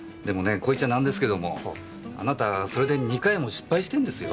こう言っちゃなんですけどもあなたそれで２回も失敗してんですよ？